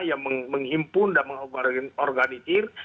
yang menghimpun dan mengorganisir